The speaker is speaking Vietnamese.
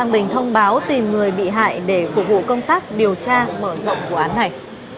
báo tìm người bị hại để phục vụ công tác điều tra mở rộng quán này